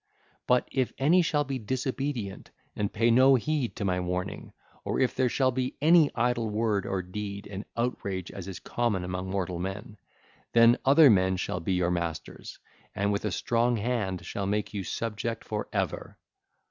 But if any shall be disobedient and pay no heed to my warning, or if there shall be any idle word or deed and outrage as is common among mortal men, then other men shall be your masters and with a strong hand shall make you subject for ever.